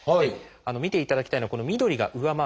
見ていただきたいのはこの緑が上回る。